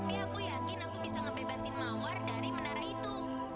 tapi aku yakin aku bisa ngebebasin mawar dari menara itu